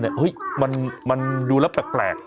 เฮ้ยมันดูแล้วแปลก